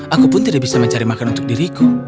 aku pun tidak bisa mencari makan untuk diriku